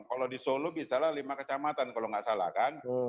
kalau di solo bisa lah lima kecamatan kalau tidak salah kan